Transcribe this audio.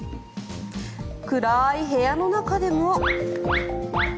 暗い部屋の中でも。